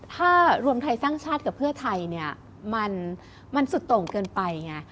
ถ้ารวมไทยสร้างชาติกับเพื่อไทยเนี่ยมันสุดโต่งเกินไปไง